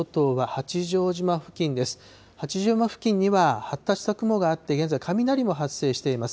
八丈島付近には発達した雲があって、現在、雷も発生しています。